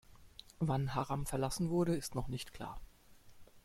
Wann Haram verlassen wurde, ist noch nicht klar.